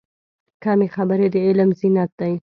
کمې خبرې، د علم زینت دی.